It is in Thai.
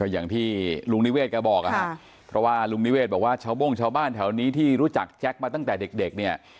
อย่างที่ลุงนิเวคบอกเช้าบุ้งชาวบ้านแถวนี้ที่รู้จักแจ๊กมาตั้งแต่เด็ก